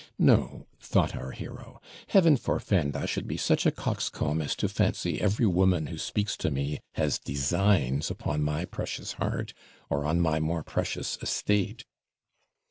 'No,' thought our hero; 'Heaven forfend I should be such a coxcomb as to fancy every woman who speaks to me has designs upon my precious heart, or on my more precious estate!'